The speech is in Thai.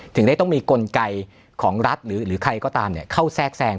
ถึงได้ต้องมีกลไกของรัฐหรือใครก็ตามเข้าแทรกแทรง